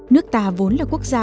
nước ta vốn là quốc gia